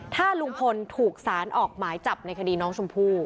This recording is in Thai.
ถ้าลุงพลถูกสารออกหมายจับในคดีน้องชมพู่